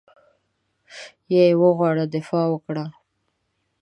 یا یې وغواړي دفاع وکړي.